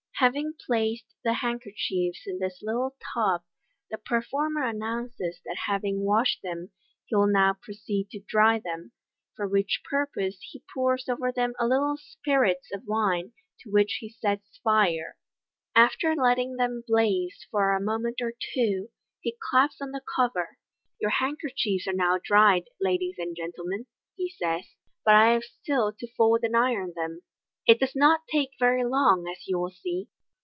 Having placed the handkerchiefs in this little tub, the performer announces that having washed them, he will now proceed to dry Ihem, for which purpose he pours over them a little spirits of wine, to which he sets fiire. After letting them blaze for a moment or two MODERN MAGIC. 259 he claps on the cover. " Your handkerchiefs are now dried, ladies and gentlemen," he says, M but I have still to fold and iron them. It does not take very long, as you will see."